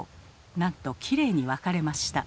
なんときれいに分かれました。